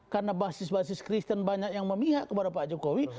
karena basis basis kristen banyak yang memihak kepada pak jokowi